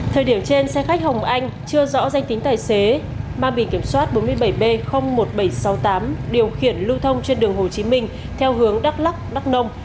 thời điểm trên xe khách hồng anh chưa rõ danh tính tài xế mang bì kiểm soát bốn mươi bảy b một nghìn bảy trăm sáu mươi tám điều khiển lưu thông trên đường hồ chí minh theo hướng đắk lắc đắk nông